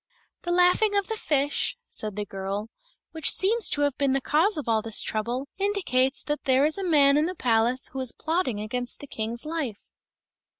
"The laughing of the fish," said the girl, "which seems to have been the cause of all this trouble, indicates that there is a man in the palace who is plotting against the King's life."